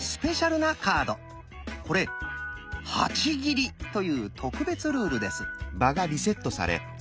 これ「８切り」という特別ルールです。